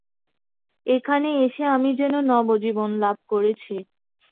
এখানে এসে আমি যেন নবজীবন লাভ করেছি।